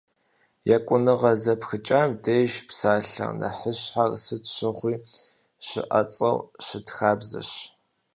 Екӏуныгъэ зэпхыкӏэм деж псалъэ нэхъыщхьэр сыт щыгъуи щыӏэцӏэу щыт хабзэщ.